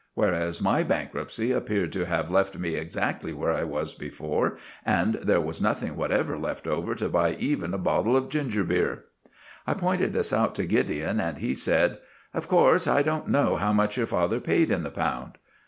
Whereas my bankruptcy appeared to have left me exactly where I was before, and there was nothing whatever left over to buy even a bottle of ginger beer. I pointed this out to Gideon, and he said— "Of course I don't know how much your father paid in the pound."